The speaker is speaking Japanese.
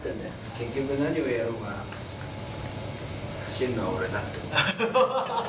結局何をやろうが、走るのは俺だってこと。